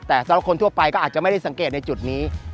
แต่สำหรับคนทั่วไปก็อาจจะไม่ได้สังเกตในจุดนี้